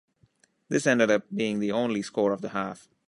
This ended up being the only score of the half.